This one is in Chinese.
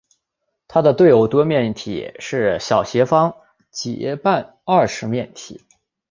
它的对偶多面体是小斜方截半二十面体。